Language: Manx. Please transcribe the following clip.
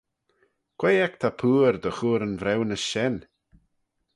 Quoi ec ta pooar dy chur yn vriwnys shen?